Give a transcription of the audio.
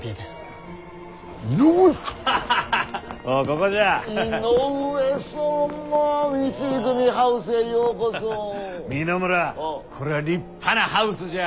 こりゃ立派なハウスじゃ。